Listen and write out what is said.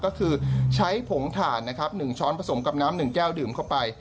ก็คือใช้ผงถ่านนะครับ๑ช้อนผสมกับน้ำ๑แก้วดื่มเข้าไป